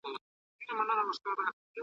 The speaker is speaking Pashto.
هر نفس دی لکه عطر د سره گل په شان لگېږی `